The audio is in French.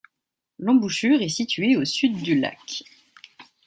L'embouchure est situé au sud du lac.